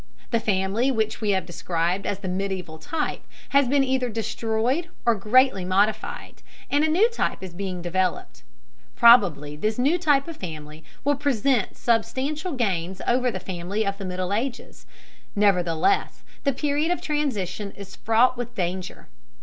The family which we have described as the medieval type has been either destroyed or greatly modified, and a new type is being developed. Probably this new type of family will present substantial gains over the family of the Middle Ages, nevertheless the period of transition is fraught with danger.